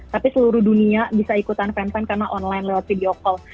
tapi seluruh dunia bisa ikutan fan karena online lewat video call